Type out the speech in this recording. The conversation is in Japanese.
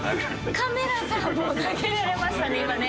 カメラさん避けられましたね今ね。